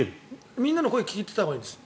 みんなの声を聞いていたほうがいいんです。